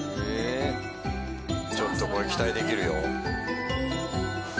ちょっとこれ期待できるよ。